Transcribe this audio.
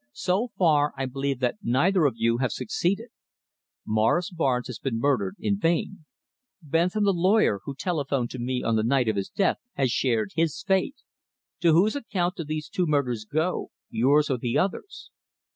So far, I believe that neither of you have succeeded. Morris Barnes has been murdered in vain; Bentham the lawyer, who telephoned to me on the night of his death, has shared his fate. To whose account do these two murders go, yours or the others'?"